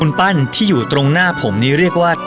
คุณปั้นที่อยู่ตรงหน้าผมนี้เรียกว่า